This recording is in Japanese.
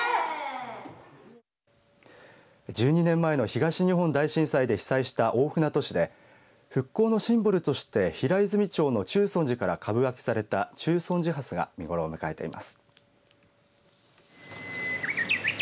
１２年前の東日本大震災で被災した大船渡市で復興のシンボルとして平泉町の中尊寺から株分けされた中尊寺ハスが見頃を迎えています。